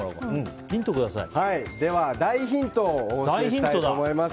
大ヒントをお教えしたいと思います。